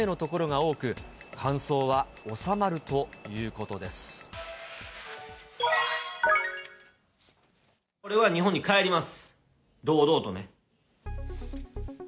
俺は日本に帰ります。